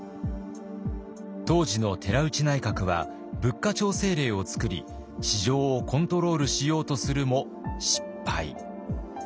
当時の寺内内閣は物価調整令を作り市場をコントロールしようとするも失敗。